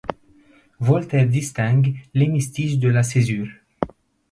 Voltaire distingue l'hémistiche de la césure.